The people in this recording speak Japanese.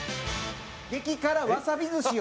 激辛わさび寿司を。